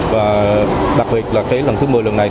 và đặc biệt là cái lần thứ một mươi lần này